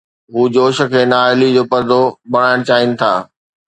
هو جوش کي نااهليءَ جو پردو بڻائڻ چاهين ٿا.